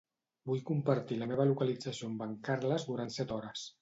Vull compartir la meva localització amb en Carles durant set hores.